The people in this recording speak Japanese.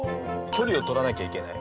距離を取らなきゃいけない。